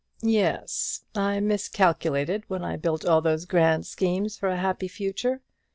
"Yes; I miscalculated when I built all those grand schemes for a happy future.